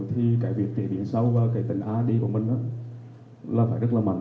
thì cái việc kỷ niệm sau và cái tính id của mình là phải rất là mạnh